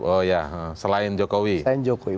oh ya selain jokowi